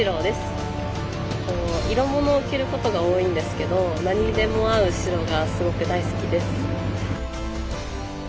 色物を着ることが多いんですけども何にでも合う白がとても大好きです。